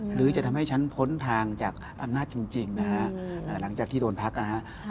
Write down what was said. หรือจะทำให้ฉันพ้นทางจากอำนาจจริงนะฮะหลังจากที่โดนพักนะฮะ